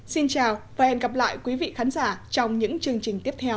xin chào và hẹn gặp lại quý vị khán giả trong những chương trình tiếp theo